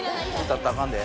歌ったらあかんで！